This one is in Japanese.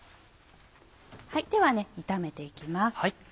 では炒めていきます。